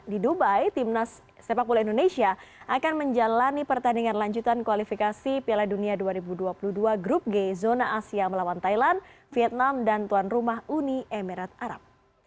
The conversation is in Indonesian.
di dubai timnas sepak bola indonesia akan menjalani pertandingan lanjutan kualifikasi piala dunia dua ribu dua puluh dua grup g zona asia melawan thailand vietnam dan tuan rumah uni emirat arab